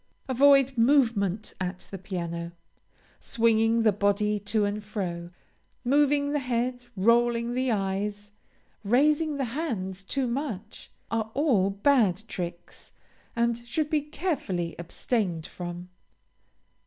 Avoid movement at the piano. Swinging the body to and fro, moving the head, rolling the eyes, raising the hands too much, are all bad tricks, and should be carefully abstained from.